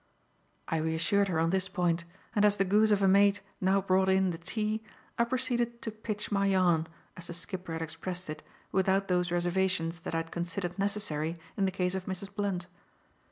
I reassured her on this point, and as the "goose of a maid" now brought in the tea, I proceeded to "pitch my yarn," as the skipper had expressed it, without those reservations that I had considered necessary in the case of Mrs. Blunt.